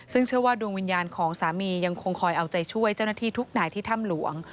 ซึ่งเชื่อว่าดวงวิญญาณของสามียังคงคอยเอาใจช่วยเจ้าหน้าที่ทุกนายที่ถ้ำหลวง